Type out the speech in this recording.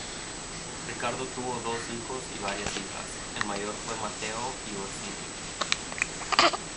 Ricardo tuvo dos hijos y varias hijas: el mayor fue Mateo I Orsini.